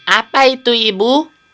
apa itu ibu